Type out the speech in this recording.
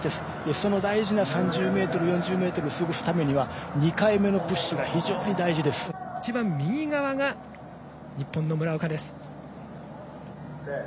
その大事な３０ｍ、４０ｍ過ごすためには２回目の一番右側が日本の村岡です。